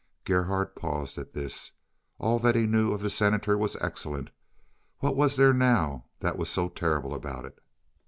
Gerhardt paused at this. All that he knew of the Senator was excellent. What was there now that was so terrible about it?